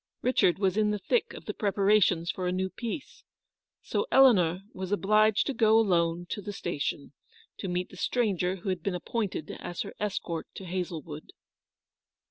Richard was in the thick of the preparations for a new piece, so poor Eleanor was obliged to go alone to the station, to meet the stranger who had been appointed as her escort to Hazlewood.